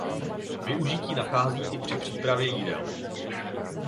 Využití nachází i při přípravě jídel.